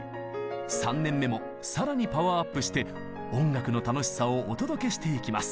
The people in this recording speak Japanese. ３年目もさらにパワーアップして音楽の楽しさをお届けしていきます。